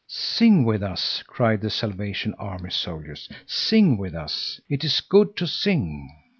"Sing with us!" cried the Salvation Army soldiers; "sing with us! It is good to sing."